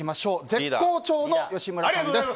絶好調の吉村さんです。